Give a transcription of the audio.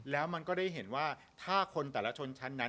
แล้วมันก็ได้เห็นว่า